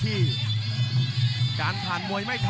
กรรมการเตือนทั้งคู่ครับ๖๖กิโลกรัม